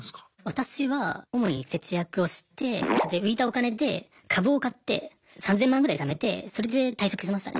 私は主に節約をしてそれで浮いたお金で株を買って３０００万ぐらい貯めてそれで退職しましたね。